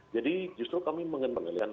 jadi justru kami mengenalikan